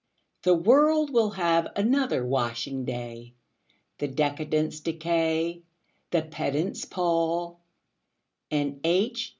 The world will have another washing day; The decadents decay; the pedants pall; And H.